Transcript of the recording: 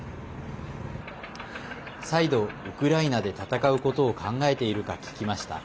再度、ウクライナで戦うことを考えているか聞きました。